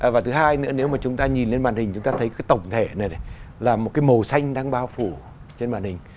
và thứ hai nữa nếu mà chúng ta nhìn lên màn hình chúng ta thấy cái tổng thể này này là một cái màu xanh đang bao phủ trên màn hình